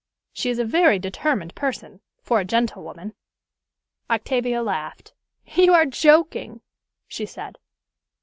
She is a very determined person for a gentlewoman." Octavia laughed. "You are joking," she said.